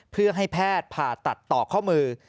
เพื่อให้แพทย์ผ่าตัดต่อข้อมือ